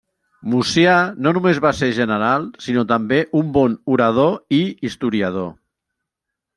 Mucià no només va ser general, sinó també un bon orador i historiador.